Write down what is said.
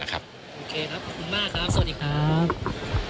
โอเคครับขอบคุณมากครับสวัสดีครับ